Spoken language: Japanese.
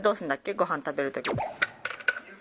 ごはん食べるとき。